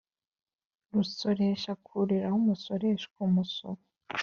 Rusoresha akuriraho umusoreshwa umusoro